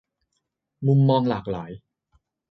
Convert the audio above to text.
'มุมมองหลากหลาย'